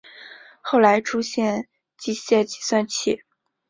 后来出现机械计算器。